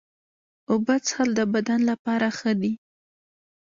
اوبه څښل د بدن لپاره ښه دي.